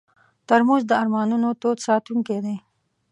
ترموز د ارمانونو تود ساتونکی دی.